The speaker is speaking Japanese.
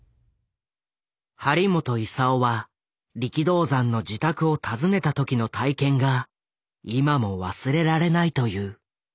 張本勲は力道山の自宅を訪ねた時の体験が今も忘れられないという。